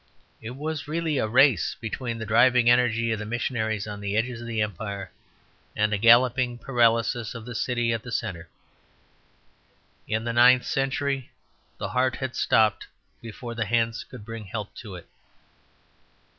It was really a race between the driving energy of the missionaries on the edges of the Empire and the galloping paralysis of the city at the centre. In the ninth century the heart had stopped before the hands could bring help to it.